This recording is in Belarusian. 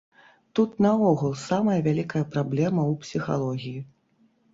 Тут наогул самая вялікая праблема у псіхалогіі.